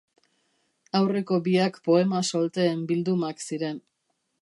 Aurreko biak poema solteen bildumak ziren.